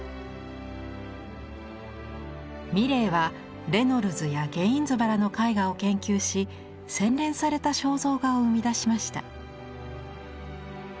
ミレイはレノルズやゲインズバラの絵画を研究し洗練された肖像画を生み出しました。